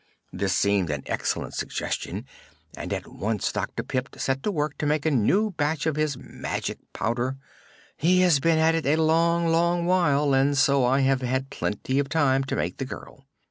This seemed an excellent suggestion and at once Dr. Pipt set to work to make a new batch of his magic powder. He has been at it a long, long while, and so I have had plenty of time to make the girl.